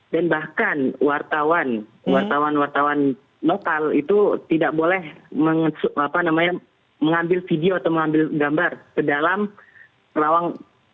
dan bahkan wartawan wartawan wartawan lokal itu tidak boleh mengambil video atau mengambil gambar ke dalam rawang